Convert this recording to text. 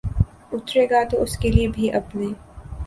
اترے گا تو اس کے لیے بھی اپنے